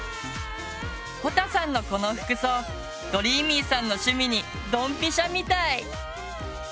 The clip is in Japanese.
ほたさんのこの服装どりーみぃさんの趣味にドンピシャみたい！